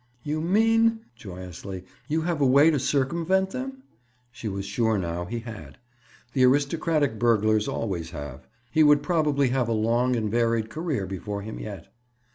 "You mean," joyously, "you have a way to circumvent them?" She was sure now he had; the aristocratic burglars always have. He would probably have a long and varied career before him yet.